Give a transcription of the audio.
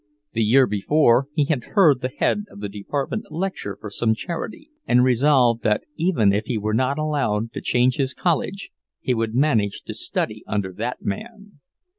The year before he had heard the head of the department lecture for some charity, and resolved that even if he were not allowed to change his college, he would manage to study under that man.